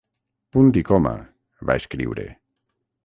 Punt i coma, va escriure.